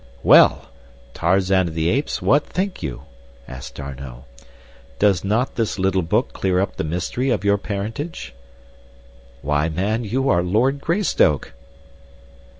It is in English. "Well! Tarzan of the Apes, what think you?" asked D'Arnot. "Does not this little book clear up the mystery of your parentage? "Why man, you are Lord Greystoke."